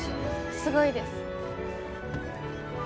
すごいです。